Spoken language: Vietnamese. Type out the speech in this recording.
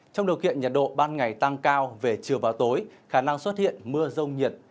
trong điều kiện nhiệt độ ban ngày tăng cao về chiều và tối khả năng xuất hiện mưa rông nhiệt